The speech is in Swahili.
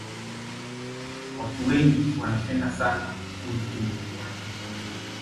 watu wengi wanapenda sana kuitembelea tanzania